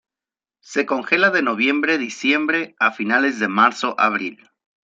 Se congela de noviembre-diciembre a finales de marzo-abril.